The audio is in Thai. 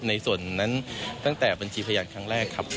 ในส่วนนั้นตั้งแต่บัญชีพยานครั้งแรกครับ